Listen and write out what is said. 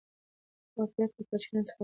ما پریکړه کړې چې له نن څخه ورزش پیل کړم.